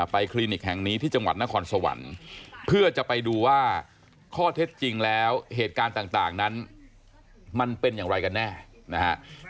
คลินิกแห่งนี้ที่จังหวัดนครสวรรค์เพื่อจะไปดูว่าข้อเท็จจริงแล้วเหตุการณ์ต่างนั้นมันเป็นอย่างไรกันแน่นะฮะ